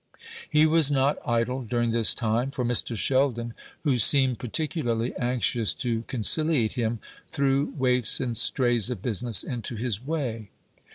He was not idle during this time; for Mr. Sheldon, who seemed particularly anxious to conciliate him, threw waifs and strays of business into his way.